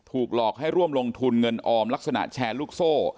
หลอกให้ร่วมลงทุนเงินออมลักษณะแชร์ลูกโซ่